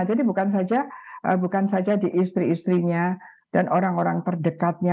bukan saja di istri istrinya dan orang orang terdekatnya